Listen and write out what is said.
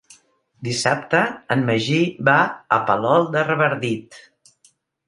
Dissabte en Magí va a Palol de Revardit.